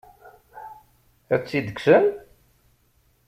Ad tt-id-kksen?